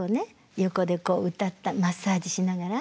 横でこう歌ったマッサージしながら。